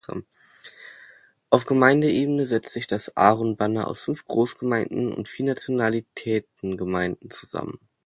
Auf Gemeindeebene setzt sich das Arun-Banner aus fünf Großgemeinden und vier Nationalitätengemeinden zusammen.